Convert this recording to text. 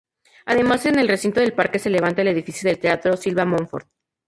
Además en el recinto del parque se levanta el edificio del teatro Silvia-Monfort.